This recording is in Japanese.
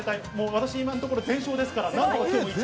私、今のところ全勝ですから。